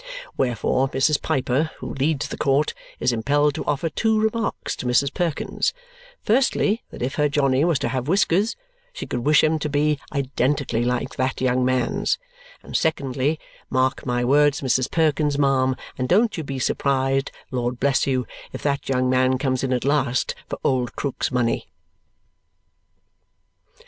Wherefore, Mrs. Piper, who leads the court, is impelled to offer two remarks to Mrs. Perkins: firstly, that if her Johnny was to have whiskers, she could wish 'em to be identically like that young man's; and secondly, "Mark my words, Mrs. Perkins, ma'am, and don't you be surprised, Lord bless you, if that young man comes in at last for old Krook's money!"